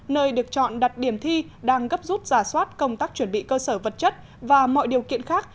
nơi được chọn đặt điểm thi đang gấp rút giả soát công tác chuẩn bị cơ sở vật chất và mọi điều kiện khác